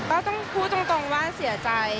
ต้องพูดตรงว่าเสียใจ